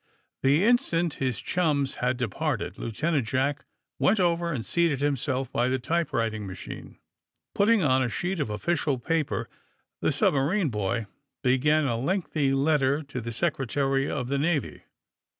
'' The instant his chums had departed Lieuten ant Jack went over and seated himself by the typewriting machine. Putting on a sheet of of ficial paper the submarine boy began a rather AND THE SMUGGLEES 101 lengthy letter to tlie Secretary of the Navy.